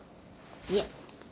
いえ